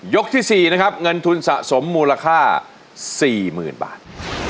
ที่๔นะครับเงินทุนสะสมมูลค่า๔๐๐๐บาท